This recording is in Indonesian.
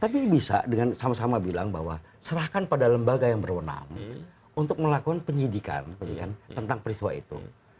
tapi bisa dengan sama sama bilang bahwa serahkan pada lembaga yang berwenang untuk melakukan penyidikan tentang peristiwa itu